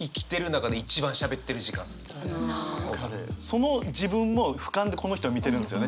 その自分もふかんでこの人を見てるんですよね？